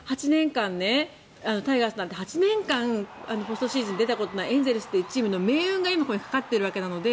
タイガースなんて８年間ポストシーズンに出たことがないエンゼルスというチームの命運が今、かかっているので。